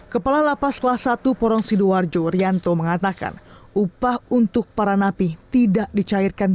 kepala lapas kelas satu porong sidoarjo rianto mengatakan upah untuk para napi tidak dicairkan